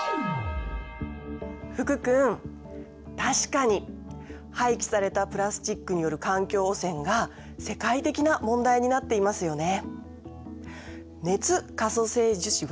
福君確かに廃棄されたプラスチックによる環境汚染が世界的な問題になっていますよね。